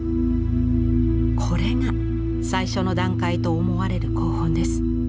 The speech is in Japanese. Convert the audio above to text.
これが最初の段階と思われる稿本です。